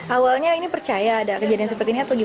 awalnya ini percaya ada kejadian seperti ini atau gimana